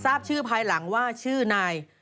ทราบชื่อภายหลังว่าชื่อนาย